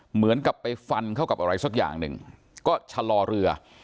เหมือนกับไปฟันเข้ากับอะไรสักอย่างหนึ่งก็ชะลอเรือ